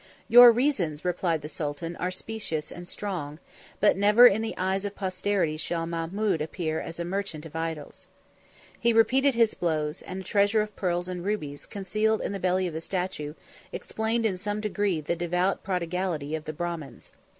"Your reasons," replied the sultan, "are specious and strong; but never in the eyes of posterity shall Mahmud appear as a merchant of idols." 712 He repeated his blows, and a treasure of pearls and rubies, concealed in the belly of the statue, explained in some degree the devout prodigality of the Brahmins.